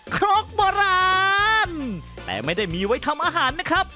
ครกโบราณแต่ไม่ได้มีไว้ทำอาหารนะครับ